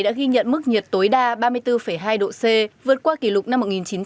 đã ghi nhận mức nhiệt tối đa ba mươi bốn hai độ c vượt qua kỷ lục năm một nghìn chín trăm chín mươi